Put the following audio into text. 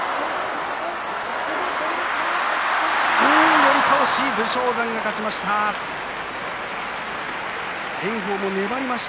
寄り倒し武将山が勝ちました。